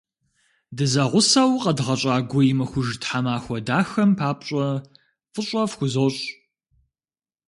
Дызэгъусэу къэдгъэщӏа гуимыхуж тхьэмахуэ дахэм папщӏэ фӏыщӏэ фхузощӏ!